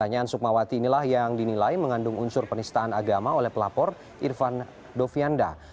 pertanyaan sukmawati inilah yang dinilai mengandung unsur penistaan agama oleh pelapor irfan dovianda